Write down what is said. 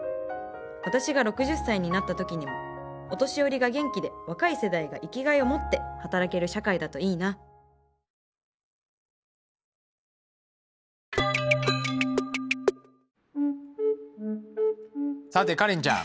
私が６０歳になった時にもお年寄りが元気で若い世代が生きがいをもって働ける社会だといいなさてカレンちゃん。